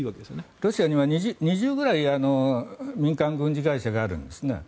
ロシアには２０くらい民間軍事会社があるんですね。